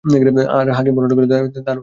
আর Hakim বর্ণনা করেছেন তার মুসতাদরাকে।